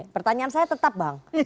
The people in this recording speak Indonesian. pertanyaan saya tetap bang